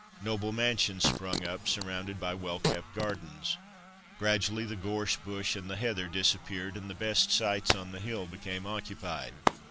Noble mansions sprung up, surrounded by well kept gardens. Gradually the gorse bush and the heather disappeared, and the best sites on the hill became occupied.